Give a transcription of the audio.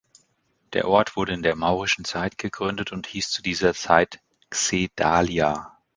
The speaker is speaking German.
Der Ort wurde in der maurischen Zeit gegründet und hieß zu dieser Zeit Xedalia.